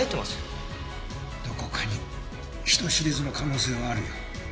どこかに人知れずの可能性はあるよ。